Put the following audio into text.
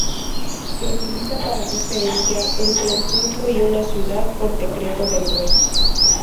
Se utiliza para diferenciar entre un pueblo y una ciudad por decreto del rey.